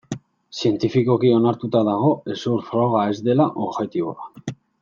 Zientifikoki onartuta dago hezur froga ez dela objektiboa.